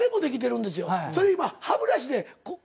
それ今歯ブラシでこう。